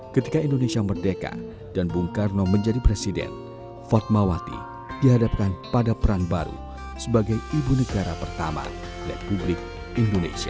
ketika indonesia merdeka dan bung karno menjadi presiden fatmawati dihadapkan pada peran baru sebagai ibu negara pertama republik indonesia